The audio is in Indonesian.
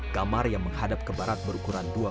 kamar yang menghadap ke barat berukuran dua lima meter